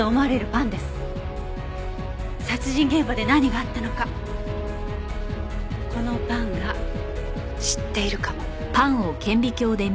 殺人現場で何があったのかこのパンが知っているかも。